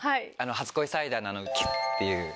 『初恋サイダー』のキュっていう。